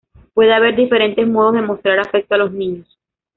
Puede haber diferentes modos de mostrar afecto a los niños.